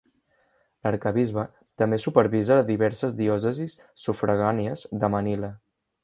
L'arquebisbe també supervisa diverses diòcesis sufragànies de Manila.